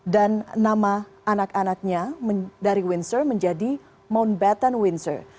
dan nama anak anaknya dari windsor menjadi mountbatten windsor